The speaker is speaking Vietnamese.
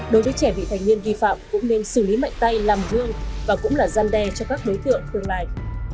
đối với trẻ bị thành niên vi phạm cũng nên xử lý mạnh tay làm hương và cũng là giăn đe cho các đối tượng tương lai